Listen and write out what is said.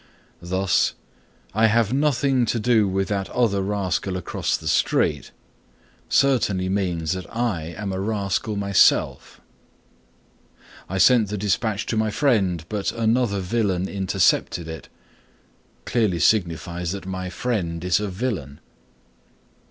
Thus, "I have nothing to do with that other rascal across the street," certainly means that I am a rascal myself. "I sent the despatch to my friend, but another villain intercepted it," clearly signifies that my friend is a villain.